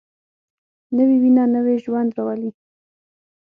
نوې وینه نوی ژوند راولي